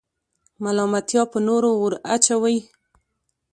ملامتیا پر نورو وراچوئ.